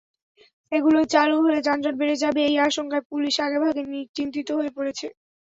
এগুলো চালু হলে যানজট বেড়ে যাবে—এই আশঙ্কায় পুলিশ আগেভাগে চিন্তিত হয়ে পড়েছে।